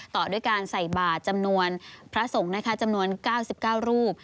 ต่อด้วยการใส่บาทจำนวนพระสงฆ์นะคะจำนวน๙๙รูป